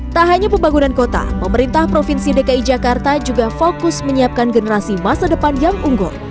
tak hanya pembangunan kota pemerintah provinsi dki jakarta juga fokus menyiapkan generasi masa depan yang unggul